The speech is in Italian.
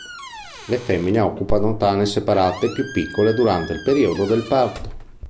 Le femmine occupano tane separate più piccole durante il periodo del parto.